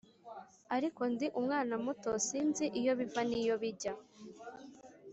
ariko ndi umwana muto; sinzi iyo biva n’iyo bijya.